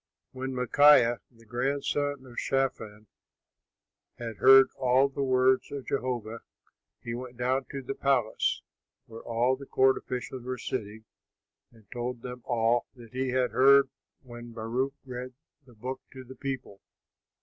When Micaiah, the grandson of Shaphan, had heard all the words of Jehovah, he went down to the palace, where all the court officials were sitting, and told them all that he had heard when Baruch read the book to the people.